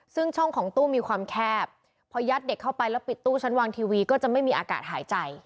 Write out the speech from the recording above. ซึ่งช่องของตู้มีความแคบพอยัดเด็กเข้าไปแล้วปิดตู้ชั้นวางทีวีก็จะไม่มีอากาศหายใจ